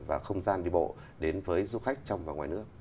và không gian đi bộ đến với du khách trong và ngoài nước